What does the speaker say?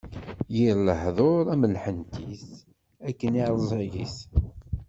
Yir lehduṛ am lḥentit, akken ay ṛẓagit.